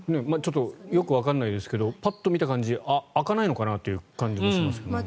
よくわからないですけどパッと見た感じ開かないのかなという感じがしますけどね。